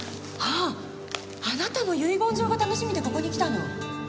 あああなたも遺言状が楽しみでここに来たの？